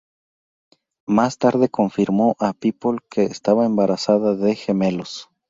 Más tarde confirmó a "People" que estaba embarazada de gemelos.